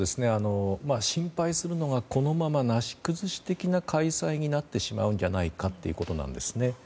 心配するのはこのままなし崩し的な開催になってしまうんじゃないかということですね。